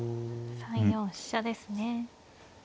３四飛車ですね。